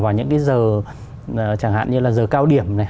vào những cái giờ chẳng hạn như là giờ cao điểm này